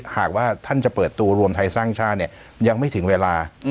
หากว่าท่านจะเปิดตัวรวมไทยสร้างชาติเนี่ยยังไม่ถึงเวลา